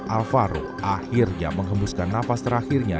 alvaro akhirnya menghembuskan napas terakhirnya